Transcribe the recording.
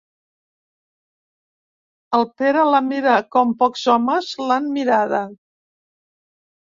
El Pere la mira com pocs homes l'han mirada.